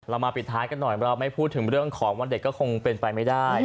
มาปิดท้ายกันหน่อยเราไม่พูดถึงเรื่องของวันเด็กก็คงเป็นไปไม่ได้